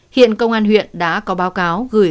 hiện công an huyện đã có báo cáo gửi